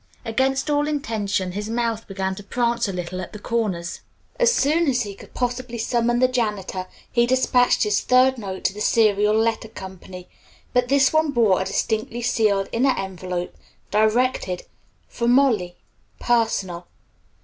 Against all intention his mouth began to prance a little at the corners. As soon as he could possibly summon the janitor, he despatched his third note to the Serial Letter Co., but this one bore a distinctly sealed inner envelope, directed, "For Molly. Personal."